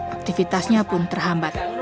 aktivitasnya pun terhambat